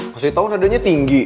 pasti tau nadanya tinggi